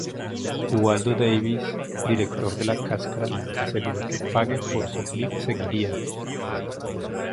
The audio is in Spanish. Ubaldo Davis, director de La cáscara, aseguró que Pague por sufrir seguiría.